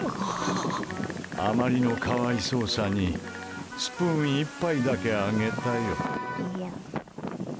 あまりの可哀想さにスプーン１杯だけあげたよ。